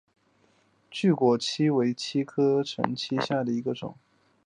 巨果槭为槭树科槭属下的一个种。